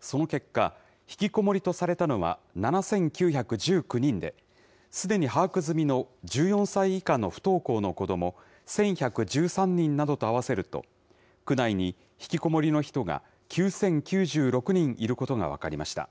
その結果、ひきこもりとされたのは７９１９人で、すでに把握済みの１４歳以下の不登校の子ども１１１３人などと合わせると、区内にひきこもりの人が９０９６人いることが分かりました。